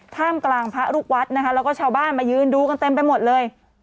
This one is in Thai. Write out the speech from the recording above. ท่ามกลางพระลูกวัดนะคะแล้วก็ชาวบ้านมายืนดูกันเต็มไปหมดเลย